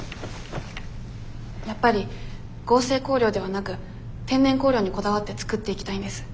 やっぱり合成香料ではなく天然香料にこだわって作っていきたいんです。